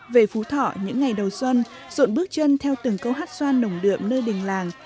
về phú thọ những ngày đầu xuân rộn bước chân theo từng câu hát xoan nồng đượm nơi đình làng